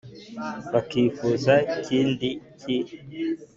bakifuza kindi ki ?